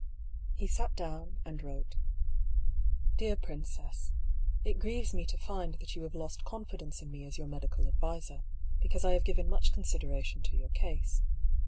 He sat down, and wrote :—" Dear Princess, — It grieves me to find that you have lost con fidence in me as your medical adviser, l)ecause 1 have given much consideration to your case.